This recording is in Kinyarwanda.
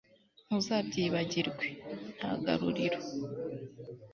ntuzabyibagirwe, nta garuriro